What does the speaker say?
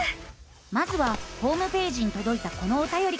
まずはホームページにとどいたこのおたよりから。